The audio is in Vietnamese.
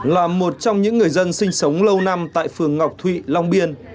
là một trong những người dân sinh sống lâu năm tại phường ngọc thụy long biên